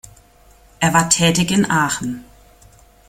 Er war tätig in Aachen.